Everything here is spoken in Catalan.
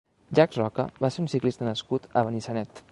Jacques Roca va ser un ciclista nascut a Benissanet.